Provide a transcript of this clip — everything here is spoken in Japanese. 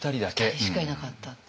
２人しかいなかったっていう。